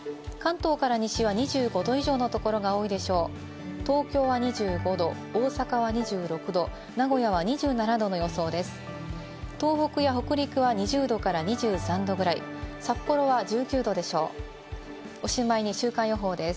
東京は２５度、大阪は２６度、名古屋は２７度の予想です。